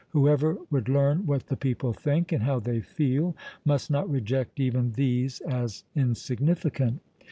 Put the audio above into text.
whoever would learn what the people think, and how they feel, must not reject even these as insignificant.